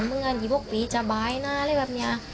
เมื่องนีพวกเวลาจะบัยนะอะไรแบบเนี้ย